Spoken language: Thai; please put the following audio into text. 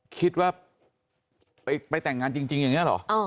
คิดว่าไปแต่งงานจริงอย่างนี้เหรอ